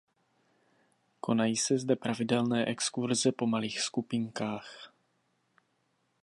Konají se zde pravidelné exkurze po malých skupinkách.